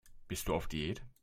Bist du auf Diät?